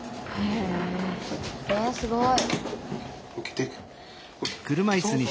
えすごい。